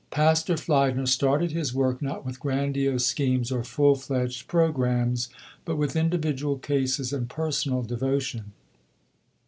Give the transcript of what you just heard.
Pastor Fliedner started his work not with grandiose schemes or full fledged programmes, but with individual cases and personal devotion.